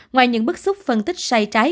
ngoài những bức xúc phân tích say trái